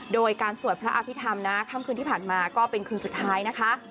โดยการสวดพระอภิษฐรรมนะค่ำคืนที่ผ่านมาก็เป็นคืนสุดท้ายนะคะ